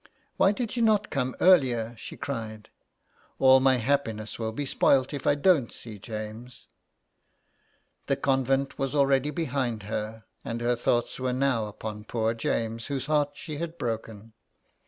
^' Why did you not come earlier?" she cried. 148 THE EXILE. " All my happiness will be spoilt if I don't see James." The convent was already behind her, and her thoughts were now upon poor James, whose heart she had broken.